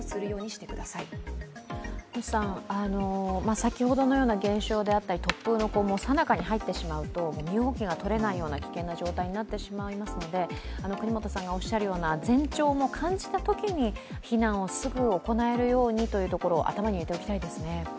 先ほどのような現象であったり突風のさなかに入ってしまうと身動きがとれないような、危険な状態になってしまいますので國本さんがおっしゃるような前兆を感じたときに避難をすぐ行えるようにというところを頭に入れておきたいですね。